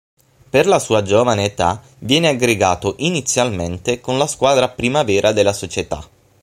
Per la sua giovane età viene aggregato inizialmente con la squadra Primavera della società.